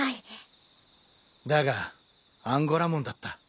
だがアンゴラモンだった。